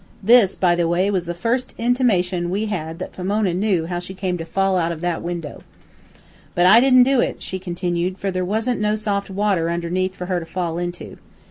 This, by the way, was the first intimation we had had that Pomona knew how she came to fall out of that window. "But I didn't do it," she continued, "for there wasn't no soft water underneath for her to fall into.